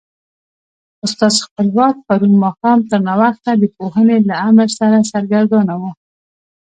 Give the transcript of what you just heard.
استاد خپلواک پرون ماښام تر ناوخته د پوهنې له امر سره سرګردانه و.